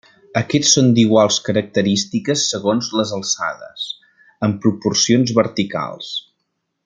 Aquests són d'iguals característiques segons les alçades, amb proporcions verticals.